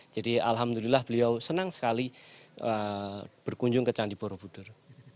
jadi alhamdulillah beliau senang sekali berkunjung ke candi borobudur